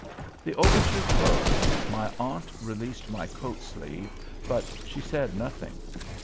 The overture closed, my aunt released my coat sleeve, but she said nothing.